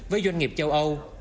với doanh nghiệp châu âu